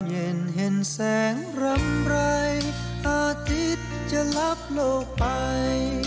เย็นเห็นแสงรำไรอาทิตย์จะรับโลกไป